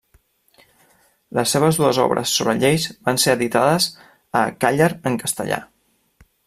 Les seves dues obres sobre lleis van ser editades a Càller en castellà.